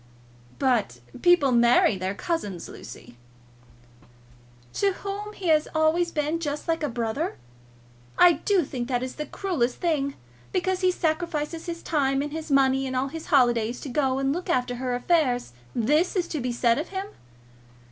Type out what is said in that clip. "But people marry their cousins, Lucy." "To whom he has always been just like a brother! I do think that is the cruellest thing. Because he sacrifices his time and his money and all his holidays to go and look after her affairs, this is to be said of him!